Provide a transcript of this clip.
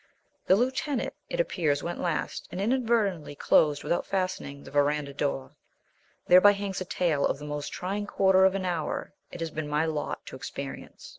The Lieutenant, it appears, went last, and inadvertently closed without fastening the verandah door. Thereby hangs a tale of the most trying quarter of an hour it has been my lot to experience.